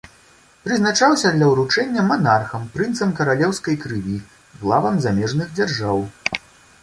Прызначаўся для ўручэння манархам, прынцам каралеўскай крыві, главам замежных дзяржаў.